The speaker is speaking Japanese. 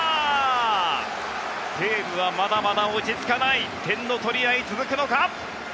ゲームはまだまだ落ち着かない点の取り合い、続くのか。